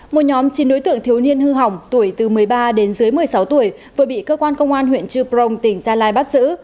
một nhóm chín đối tượng thiếu niên hư hỏng tuổi từ một mươi ba đến dưới một mươi sáu tuổi vừa bị cơ quan công an huyện trư prong tỉnh gia lai bắt giữ